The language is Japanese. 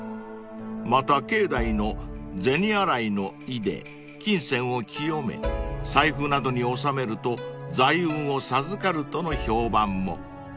［また境内の銭洗いの井で金銭を清め財布などに収めると財運を授かるとの評判も］